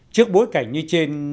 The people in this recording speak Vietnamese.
trước bối cảnh như trên